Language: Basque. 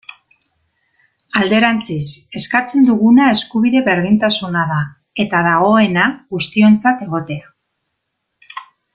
Alderantziz, eskatzen duguna eskubide berdintasuna da, eta dagoena, guztiontzat egotea.